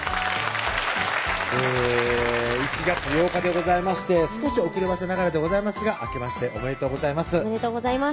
えぇ１月８日でございまして少し遅ればせながらでございますがあけましておめでとうございますおめでとうございます